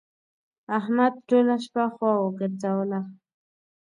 احمد ټوله شپه خوا وګرځوله.